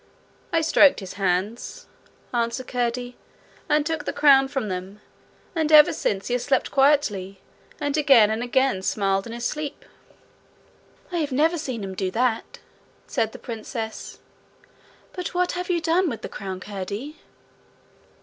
'I stroked his hands,' answered Curdie, 'and took the crown from them; and ever since he has slept quietly, and again and again smiled in his sleep.' 'I have never seen him do that,' said the princess. 'But what have you done with the crown, Curdie?'